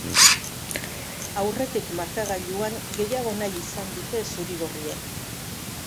Aurretik markagailuan, gehiago nahi izan dute zurigorriek.